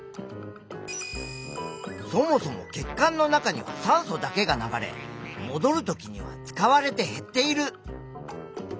そもそも血管の中には酸素だけが流れもどるときには使われて減っている。